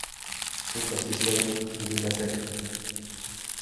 喧嘩してしまいごめんなさい